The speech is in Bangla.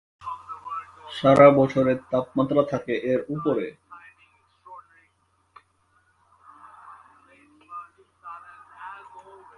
সারা বছরের তাপমাত্রা থাকে এর উপরে।